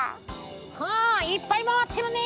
あいっぱいまわってるね。